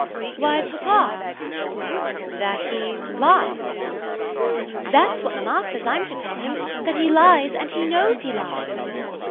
"Why papa." "That he 'lies'?" "That's what mamma says I'm to tell him 'that he lies and he knows he lies.'"